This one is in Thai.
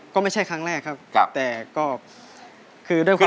ก็ไม่ใช่ครั้งแรกครับแต่ก็คือด้วยความ